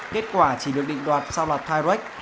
kết quả chỉ được định đoạt sau là tyrex